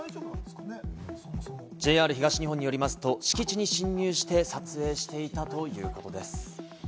ＪＲ東日本によりますと、敷地に侵入して撮影していたということです。